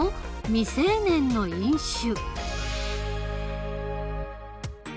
未成年の飲酒」。